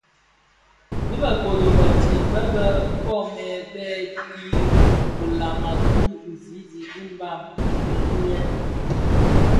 Di bë kodo bëtsem bë bë koomè bèè ki bilama ki bizizig bi Mbam kidhilè,